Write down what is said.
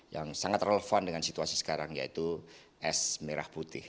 yang sangat relevan dengan situasi sekarang yaitu es merah putih